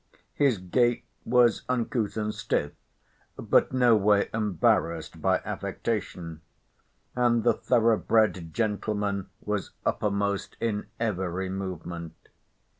His gait was uncouth and stiff, but no way embarrassed by affectation; and the thorough bred gentleman was uppermost in every movement.